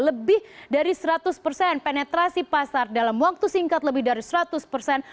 lebih dari seratus persen penetrasi pasar dalam waktu singkat lebih dari seratus persen